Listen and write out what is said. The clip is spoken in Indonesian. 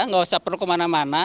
nggak usah perlu kemana mana